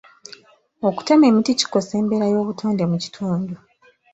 Okutema emiti kikosa embeera y'obutonde mu kitundu.